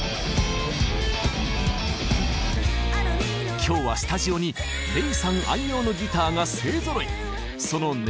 今日はスタジオにＲｅｉさん愛用のギターが勢ぞろい！